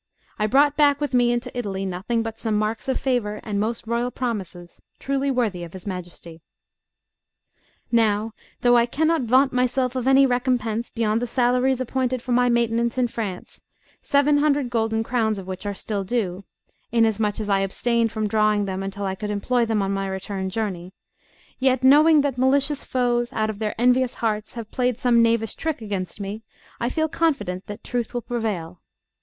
I brought back with me into Italy nothing but some marks of favour and most royal promises, truly worthy of his Majesty. "Now, though I cannot vaunt myself of any recompense beyond the salaries appointed for my maintenance in France, seven hundred golden crowns of which are still due, inasmuch as I abstained from drawing them until I could employ them on my return journey; yet knowing that malicious foes out of their envious hearts have played some knavish trick against me, I feel confident that truth will prevail.